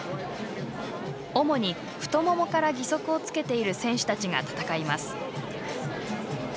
主に太ももから義足をつけている選手たちが戦います。